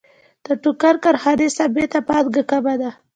د ټوکر کارخانې ثابته پانګه کمه ده